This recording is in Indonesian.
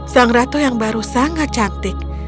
sang ratu yang baru sangat cantik